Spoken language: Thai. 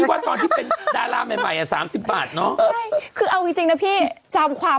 อันนั้นคือเฉพาะบางเส้น